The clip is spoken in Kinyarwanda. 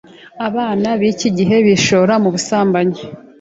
abana b'iki gihe bishora mu busambanyi